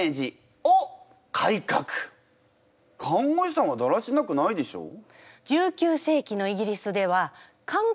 看護師さんはだらしなくないでしょう。